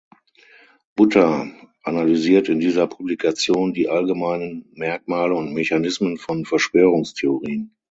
Butter analysiert in dieser Publikation die allgemeinen Merkmale und Mechanismen von Verschwörungstheorien.